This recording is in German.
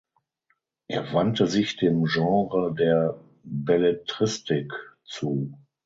Er wandte sich dem Genre der Belletristik zu.